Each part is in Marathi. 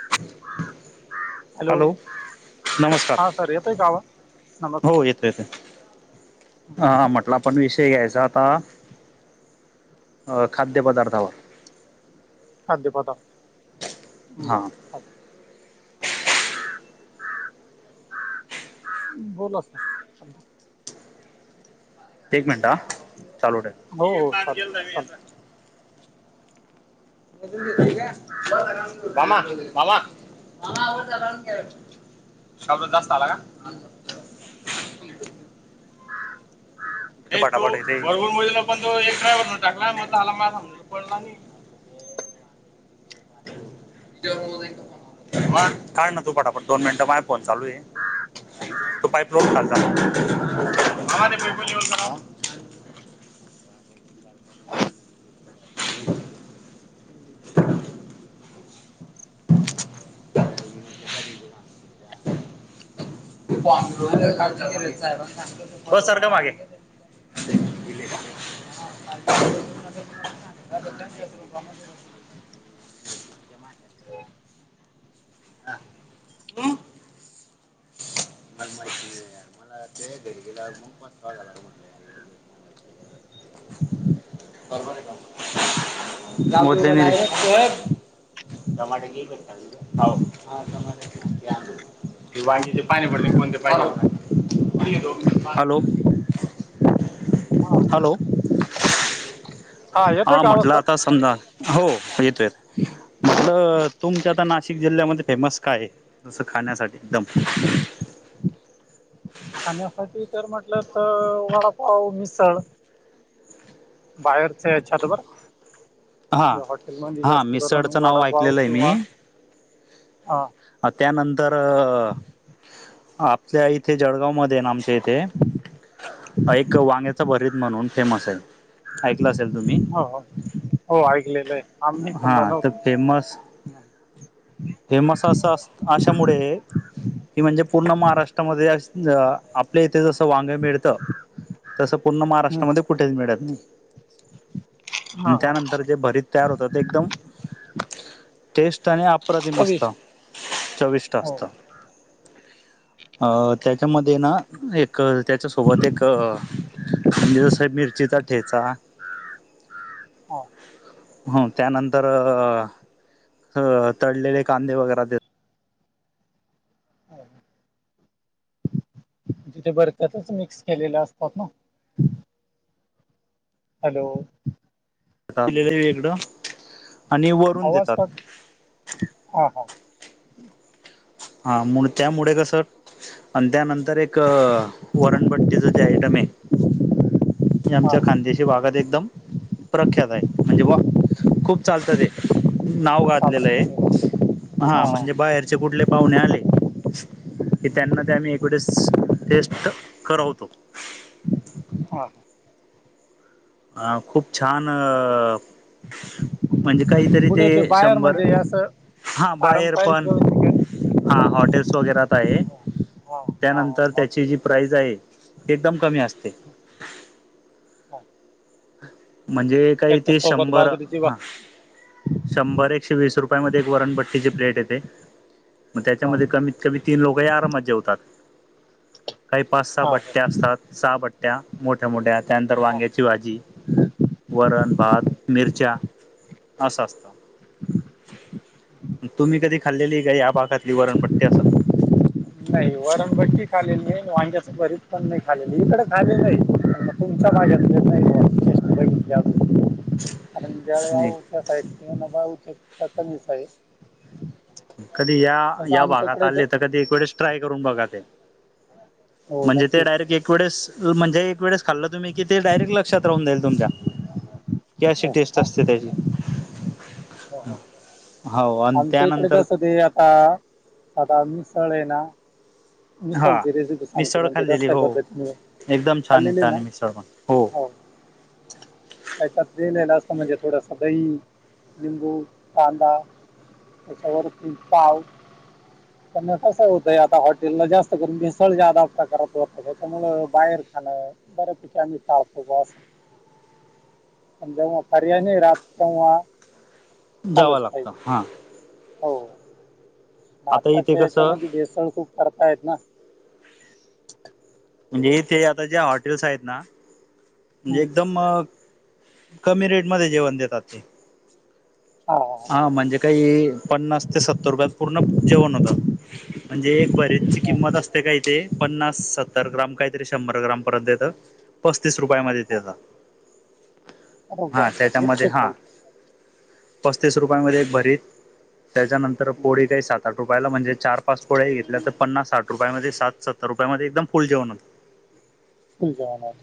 [unintelligible] हॅलो. नमस्कार हा सर येतोय का आवाज हो नमस्कार येतं येत. हां म्हटलं आपण विषय घ्यायचा आता खाद्यपदार्थावर. अदी पता बर हां चालेल. बोल. एक मिनिट ह चालूठेल. हो हो चालेल चालेल बमा बमा ब रज जास्त आला का? रव मुला प तो एक ड्रायव्हरणून टाकला मग त हला माझ स पडला नाही. ज मो म काळ ना तू पाठा पण दोन मिनिटं माझ फोन चालू ये तो पाप लोन खल [unintelligible] ब सारखं मागे असले का? [unintelligible] हा म मला माहिती नाहीर मला ते घरी गेल्यावर मग पण फवा झाला म्हटलंर [unintelligible] त्या टमाटर क करता तु हा टमाट पाणी पडते कोणते पाेतो हॅलो. हॅलो हो येतोय हा का आवाज म्हटलं आता सर समजा हो येतोय म्हटलं तुमच्या आता नाशिक जिल्ह्यामध्ये फेमस काय तस खाण्यासाठी एकदम खाण्यासाठी तर म्हटलं तर वडापाव मिसळ बाहेरचेचछात बर हां हॉटेलमध्ये हां जास्त करून मिसळचं नाव वडापाव ऐकलेलं आहे किंवा हा अ त्यानंतर आपल्या इथे जळगाव मध्ये ना आमच्या इथ ते एक वांग्याचा भरीत म्हणून फेमस आहे ऐकलं असेल तुम्ही हो हो ऐकलेलं आहे आम्ही हा संभ तर नव्हतो फेमस फेमस असं अस अशामुळे की म्हणजे पूर्ण महाराष्ट्रामध्ये आपल्या इथे जसं वांग मिळत तस पूर्ण महाराष्ट्रामध्ये कुठेच मिळत नाही हा आणि हा त्यानंतर जे भरीत तयार होत ते एकदम टेस्ट आणि आप प्रतिम चविष्ट असता चविष्ट अस हो असता अ त्याच्यामध्ये ना एक त्याच्यासोबत एक म्हणजे जसं मिरचीचा ठेचा ह हो त्यानंतर तळलेले कांदे वगैरे देत तिथे बरततच मिक्स केलेले असतात ना हॅलो लेलं वेगडं आवाज हा हा हा म्हून त्यामुळे कसं आणि त्यानंतर एक वरणपट्टीच जे आयटम आहे हा आमच्या खांद्याशी भागात एकदम प्रख्यात आहे म्हणजे वा खूप चालतं ते नाव गाजलेलं आहे चालतं हा म्हणजे बाहेरचे कुठले पाहुणे आले की त्यांना ते आम्ही एकवटेच टेस्ट करवतो हा. अ खूप छान. म्हणजे काहीतरी पुढे ते बाहेर शंभर म्हणजे हे असं हा बाहेर पारंपरिक पण. गवत पिकाचं हा हॉटेल्स वगैरात आहे हा हा त्यानंतर हा त्याची जी बर प्राइज आहे. एकदम कमी असते. हा म्हणजे काही ते त्याच्यासोबत शंभर बाजरीची भाक हा. शंभर एकशे वीस रुपया म एक वरणभट्टीची प्लेट येते मग हा त्याच्यामध्ये कमी. क तीन लोक या आरामात जे होतात काही पाच सहा हा हो भट्ट्या असतात सहा भट्ट्या. त्या्या मोठ्या मोठ्या त्यानंतर वांग्याची भाजी. हम. वरण भात मिरच्या असं असत. तुम्ही कधी खाल्लेली काय या भागातली वरणपट्टी असं. नाही वरणभट्टी खालेली वांग्याच पररीत पण नाही खालेली इकडे खाले नाही. तुमचा माझ्या नाही. ह. आणि जळगाव त्या साईड किं बा कमी सा आहे. कधी या तसं या भागात आमच्याकडे ते आले तर कधी एक वेळेस ट्राय करून बघा ते. हो म्हणजे ते नक्कीच डारेक्ट एक वळे म्हणजे एक वळे खाल्लं तुम् की ते डायरेक् लक्षात. जाईल तुमच्या की अशी हो टेस्ट हा असते हो त्याची. हो हा. आमच्या इकडे जसं ते आता साधार मिसळ आहे ना. हा मिसळची रेसिपी सांगतो मिसळ म्हणजे खाल्लेली कसल्या हो पद्धतीने एकदम छान आहे खाल्लेली छान ना आहे मिसळ पण. हो. त्याच्यात दिलेला असत म्हणजे थोडस दही. निंबू कांदा त्याच्यावर ति पाव. कसं होतंय आता हॉ. त्या जास्त करून भेसळ ज आधप करात होत त्याच्यामुळ बाहेर खाणं. बर्यापैकी आम्ही टाळतो बा असं. [inaudible] पर्याय नाही राहत तेव्हा. जावं चाानच पाहिे लागतं हां हो. आता इथे आताच्या कसं याच्यामध्ये भेसळ खूप करतायेत ना. म्हणजे इथे आता ज्या हॉटेल्स आहेत ना म्हणजे हं. एकदम. कमी रेटमध्ये जेवण देतात ते. ह ह. हा म्हणजे काही पन्नास ते सत्तर रुपयात पूर्ण जेवण होतं. म्हणजे एक भरीचची हा, किंमत असते काय ते पन्नास सत्तर ग्राम काहीतरी शंभर ग्रामपर्यंतेत. पस्तीस रुपया मध्ये हा देता हा बरोबर त्याच्यामध्ये येते हा. खाल पस्तीस रुपयामध्ये एक भरीत त्याच्यानंतर पोळी काही सात आठ रुपयाला म्हणजे. चार पाच पोळ्या घेतल्या तर पन्नास साठ रुपया मध्ये सत्तर रुपयामध्ये एकदम फुल जेवण होते. तुल जावाणार.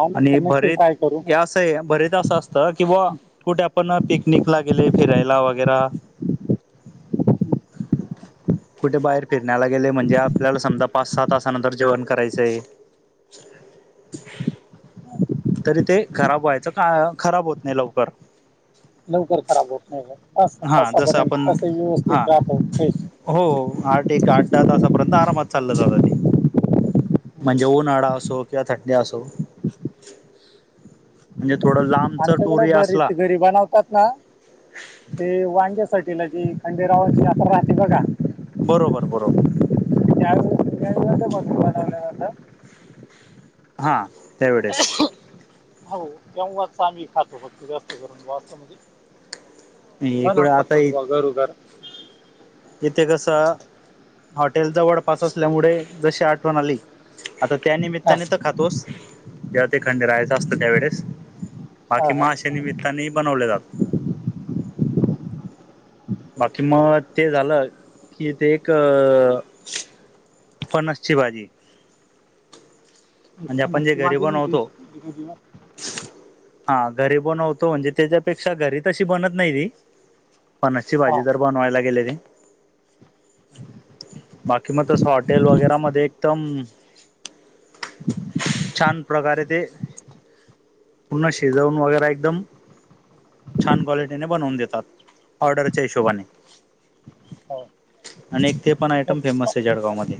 आलं आणि तर नक्की भरत ट्राय करू या. भरीत असं असत कि बा कुठे आपण पिकनिकला गेले फिरायला वगैर. कुठे बाहेर फिरण्याला गेले म्हणजे आपल्याला समजा पाच सहा तासानंतर जेवण करायचंय. स. तरी ते खराब व्हायचं का खराब होत नाही लवकर. लवकर खराब होत नाही पाच सहा हा जसं तसापर्यंत आपण कसही हा व्यवस्थित राहत फ्रेश. हो आठ एक आठ दहा तासापर्यंत आरामात चाललं जात ते. म्हणजे उन्हाळा असो किंवा थंडी असो. म्हणजे थोडा लांबच आमच्याकडे टुरी असला. बरीच घरी बनवतात ना ते वांग्यासाटीला जी खंडेरावाची यात्रा राहते बघा. बरोबर बरोबर. च वळेस बिर्याणी बती बवला आता. [unintelligible] हा त्यावेळेस. हो तेव्हाच आम्ही खातो फक्त्त जास्त करून वा आस. ब ना इकडे [unintelligible] आता फक्तच बा घर घर येथे कसं हॉटेल जवळपास असल्यामुळे जशी आठवण आली. आता त्या हा निमित्ताने तर खातोच जेव्हा ते खंडे राहायचं असतं त्यावेेळेस हा बाकी हा अस्या निमित्ताने बनवले जातात. बाकी मग ते झालं कि ते एक. फनसची भाजी. म्हणजे आपण जे नक्की घरी माझी नाही बनवतो. टेस्ट कधी हा घरी बनवतो म्हणजे त्याच्यापेक्षा घरी तशी बनत नाही ती फनसची हा भाजी तर बनवायला गेले ते बाकी मग तस हॉटेल वगैरे मध्ये एकदम [unintelligible] छान प्रकारे ते पूर्ण शिजवून वगैरे एकदम छान क्वालिटीने बनवून देतात ऑर्डरच्या हिशोबाने हो. आणि एक ते पण आयटम त्याच फेमस आहे जळगाव मध्ये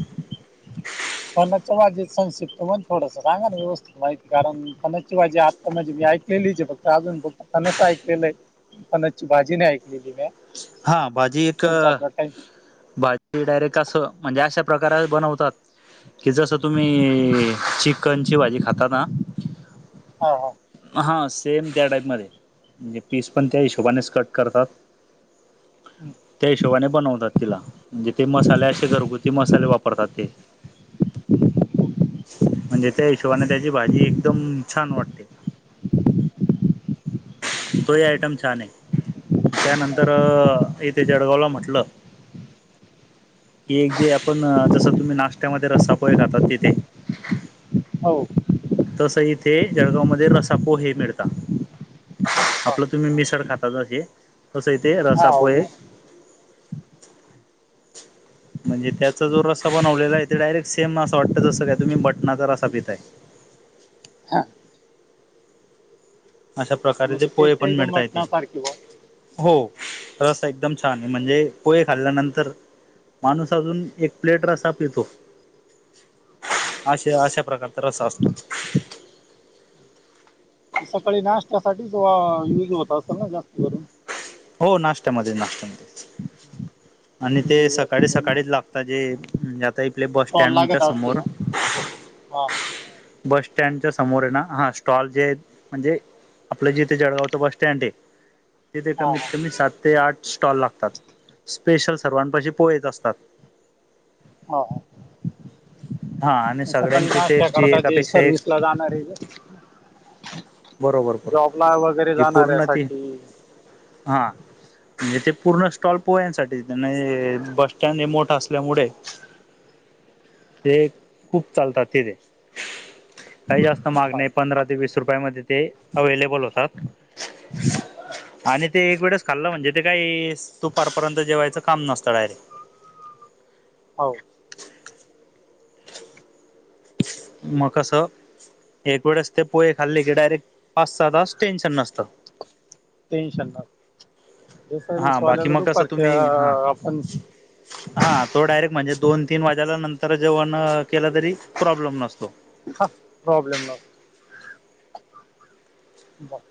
फनसच्या संक्षिपत मण थोडं सांगा ना व्यस्थित माहिती कारण फणस ची भाजी मी ऐकलेली फक्त अजून फक्त फ नस ऐकलेलं आहे. फणतची भाजी नाही ऐकलेली मी. हा भाजी एक थोडसा आपला टाइम डायरेक्ट असं म्हणजे अशा प्रकार बनवतात कि जसं तुम्ही चिकन ची भाजी खाता ना ह हा हां सेम त्या टाईपमध्ये म्हणजे पीस पण त्या हिशोबानेच कट करतात हम् त्या हिशोबाने बनवतात तिला म्हणजे ते मसाले असे घरगुती मसाले वापरतात ते म्हणजे त्या हिशोबाने त्याची भाजी एकदम छान वाटते तोही आयटम छान आहे त्यानंतर इथे जळगावला म्हटलं कि एक जे आपण जसं तुम्ही नाशत्यामध्ये रस्सापोहे खातात तिथे हो तस इथे जळगावमध्ये रसापो हे मिळतात हा आपलं तुम्ही मिसळ खाता जशी तस इथे हा हो रसापोहे म्हणजे त्याचा जो रसा बनवलेला आहे ते डायरेक्ट सेम असं वाटतं जसं काय तुम्ही बटनाचा रसा पिताय हा. अशा प्रकारेचे म्हणजे पोहे टेस्ट पण एकदम मिळता य ते मटणासारखी बा हो रसा एकदम छान आहे म्हणजे पोहे खाल्ल्यानंतर माणूस अजून एक प्लेट रसा पितो अशा अशा प्रकार स असतो सकाळी नाश्त्यासाठी ज युज होत असेल ना जास्त करून हो नाशत्यामध्ये नाशत्यामध्ये आणि ते म्हणजे जास्त सकाळी करून सकाळीच लागतात जे आता इले बस स्टॉल स्टँडच्या लागत असतील समोर ना ह हा बस स्टँडच्या समोर आहे ना हा स्टॉल जे आहेत म्हणजे आपलं जे इथे जळगावच बस स्टँड आहे तिथे हा कमीत हा कमी सात ते आठ स्टॉल लागतात स्पेशल सर्वांपशी पोहेच असतात हो हा आणि सकाळी सगळ्यांची नाश्त्या टेस्ट ही करता जे एकापेक्षा एक सर्विस ला जाणार आहे बरोबर वगैरे बरोबर ह पूर्ण त जाणाऱ्यासाठी हा म्हणजे ते पूर्ण स्टॉल पोह्यांसाठी बस स्टँड हे मोठ असल्यामुळे ते खूप चालतात ते ते काही जास्त महाग नाही पंधरा ते वीस रुपया म ते अवेलेबल होतात हम आणि ते एक वेळेच खाल्लं म्हणजे ते काही दुपारपर्यंत जेवायचं काम नसतं डायरेक्ट हो मकस एकवेेळेस ते पो खाल्ली की डायरेक्ट पास जातच टेन्शन नसतं टेन्शन नाही ज हा बाकी सर्विसवाल्याला मग कसं दुपारच्या तुम्ही हा आपण हा तो डायरेक्ट म्हणजे दोन तीन वाज्याला नंतर जेवण केलं तरी प्रॉब्लेम नसतो प्रॉब्लेम न ब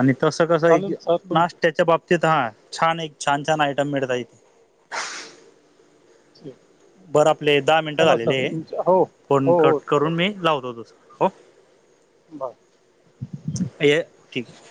आणि तस कसं एक चालेल सर तुमचे नाश्त्याच्या बाबतीत हा छान एक छान छान आयटम मिळता येथे हम बरं आपले दहा मिनटं झालेले आहे पण हो हो कट चालेल करून मी लावतो तस ह बर अ ठीक